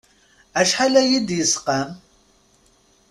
Acḥal ad yi-id-yesqam.